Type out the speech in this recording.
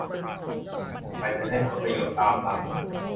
สิ่งที่ทำไปจะได้ผลประโยชน์ตามหลัง